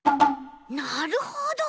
なるほど。